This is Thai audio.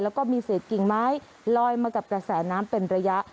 แล้วก็มีเศษกิ่งไม้ลอยมากับกระแสน้ำเป็นระยะ